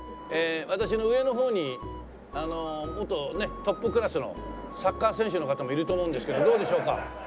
私の上の方に元トップクラスのサッカー選手の方もいると思うんですけどどうでしょうか？